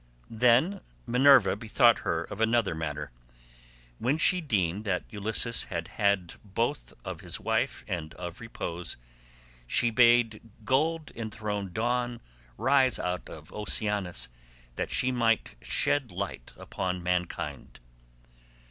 Then Minerva bethought her of another matter. When she deemed that Ulysses had had both of his wife and of repose, she bade gold enthroned Dawn rise out of Oceanus that she might shed light upon mankind.